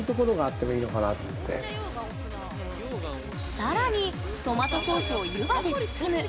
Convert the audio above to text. さらに、トマトソースを湯葉で包む。